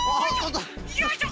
よいしょ！